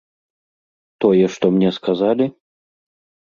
Тое, што мне сказалі?